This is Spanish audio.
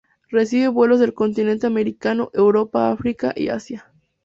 Recibe vuelos del continente americano, Europa, África y Asia.